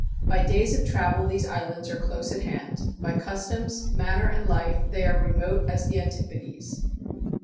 By days of travel these islands are close at hand; by customs, manner and life they are remote as the Antipodes."